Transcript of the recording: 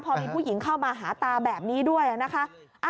พอมีผู้หญิงเข้ามาหาตาแบบนี้ด้วยนะคะ